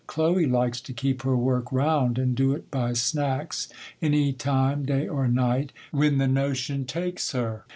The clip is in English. Chloe likes to keep her work 'round, and do it by snacks, any time, day or night, when the notion takes her.